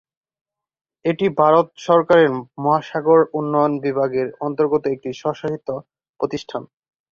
এটি ভারত সরকারের মহাসাগর উন্নয়ন বিভাগের অন্তর্গত একটি স্বশাসিত প্রতিষ্ঠান।